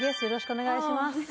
よろしくお願いします。